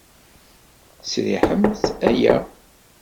Sriḥemt aya.